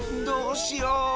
どうしよう。